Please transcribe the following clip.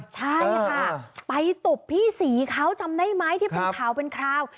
ใช่ค่ะไปตบพี่ศรีเขาจำได้ไหมที่เป็นข่าวเป็นคราว